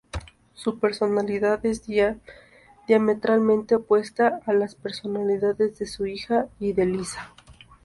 Su personalidad es diametralmente opuesta a las personalidades de su hija y de Lisa.